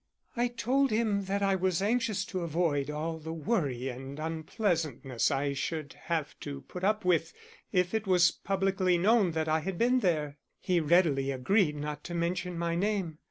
I told him that I was anxious to avoid all the worry and unpleasantness I should have to put up with if it was publicly known that I had been there. He readily agreed not to mention my name.